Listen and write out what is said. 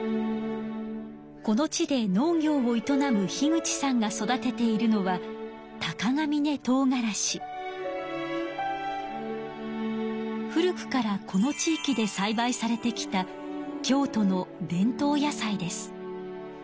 この地で農業を営む口さんが育てているのは古くからこの地いきでさいばいされてきた京都の伝統野菜です。